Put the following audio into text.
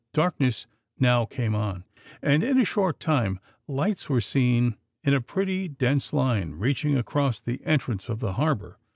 Darkness now came on, and in a short time lights were seen in a pretty dense line, reaching across the entrance of the harbour.